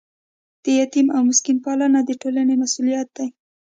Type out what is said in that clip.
د یتیم او مسکین پالنه د ټولنې مسؤلیت دی.